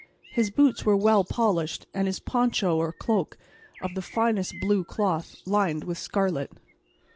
His boots were well polished, and his poncho, or cloak, of the finest blue cloth, lined with scarlet.